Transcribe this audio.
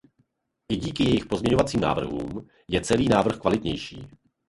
I díky jejich pozměňovacím návrhům je celý návrh kvalitnější.